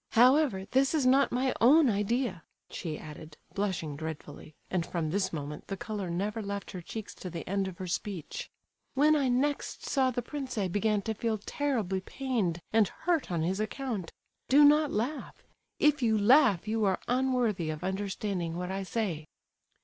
However, this is not my own idea," she added, blushing dreadfully; and from this moment the colour never left her cheeks to the end of her speech. "When I next saw the prince I began to feel terribly pained and hurt on his account. Do not laugh; if you laugh you are unworthy of understanding what I say."